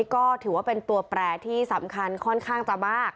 ก็ถือว่าเป็นตัวแปรที่สำคัญค่อนข้างจะมาก